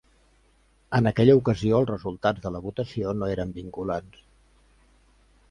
En aquella ocasió els resultats de la votació no eren vinculants.